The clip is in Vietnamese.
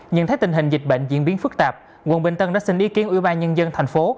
nhận thấy tình hình dịch bệnh diễn biến phức tạp quận bình tân đã xin ý kiến ủy ban nhân dân thành phố